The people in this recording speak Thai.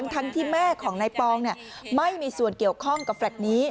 ทั้งที่แม่ของนายปองไม่มีส่วนเกี่ยวข้องกับแฟลต์นี้